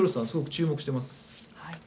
すごく注目しています。